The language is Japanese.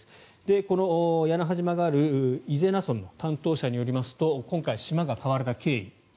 この屋那覇島がある伊是名村の担当者によりますと今回、島が買われた経緯。